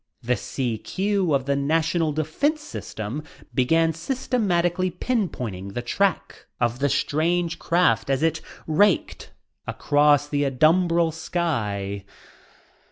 The CQ of the National Defense system began systematically pinpointing the track of the strange craft as it raked across the adumbral sky.